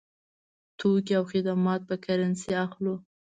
توکي او خدمات په کرنسۍ اخلو.